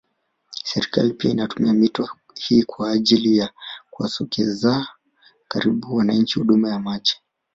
Serikali pia inaitumia mito hii kwa ajili ya kuwasogezeaa karibu wananchi huduma ya maji